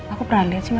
aku pernah liat sih mas